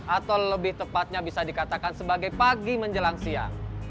atau lebih tepatnya bisa dikatakan sebagai pagi menjelang siang